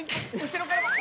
後ろからだ。